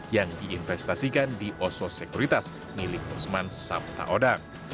yang diinvestasikan di oso sekuritas milik usman sabtaodang